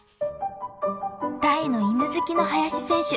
［大の犬好きの林選手］